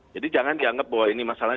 jadi jangan dianggap bahwa ini masalah